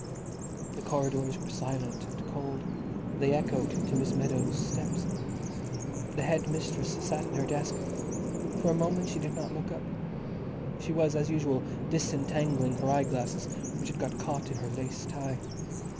The corridors were silent and cold; they echoed to Miss Meadows' steps. The head mistress sat at her desk. For a moment she did not look up. She was as usual disentangling her eyeglasses, which had got caught in her lace tie.